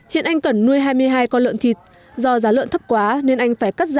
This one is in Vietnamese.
hiện anh cần nuôi hai mươi hai con lợn thịt do giá lợn thấp quá nên anh phải cắt giá